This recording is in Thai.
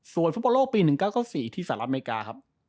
ส่วนฟุตบลวงปี๑๙๐๔ที่สระอเมกา